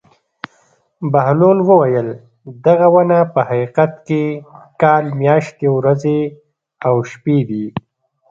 بهلول وویل: دغه ونه په حقیقت کې کال میاشتې ورځې او شپې دي.